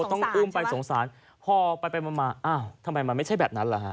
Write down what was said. ต้องอื่มไปสงสารพอไปไปมาทำไมมันไม่ใช่แบบนั้นหรอฮะ